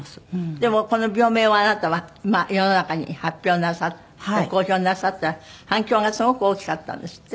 でもこの病名をあなたは世の中に発表公表なさった反響がすごく大きかったんですって？